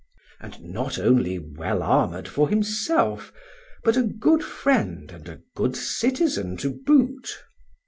And not only well armoured for himself, but a good friend and a good citizen to boot.